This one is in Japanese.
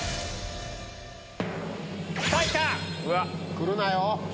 来るなよ。